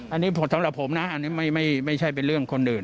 อันนี้สำหรับผมนะอันนี้ไม่ใช่เป็นเรื่องคนอื่น